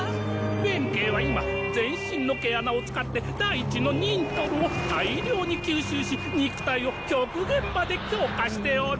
便系は今全身の毛穴を使って大地のニントルを大量に吸収し肉体を極限まで強化しておる。